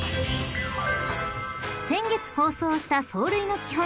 ［先月放送した走塁の基本